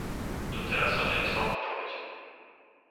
Doteraz som nedostal odpoveď.